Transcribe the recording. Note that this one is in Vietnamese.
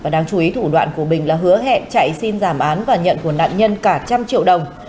đáng chú ý thủ đoạn của bình là hứa hẹn chạy xin giảm án và nhận của nạn nhân cả trăm triệu đồng